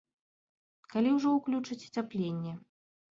Калі ўжо ўключаць ацяпленне?